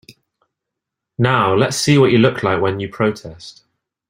Now let's see what you look like when you protest.